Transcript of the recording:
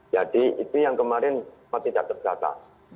jadi itu yang kemarin pak tidak terdata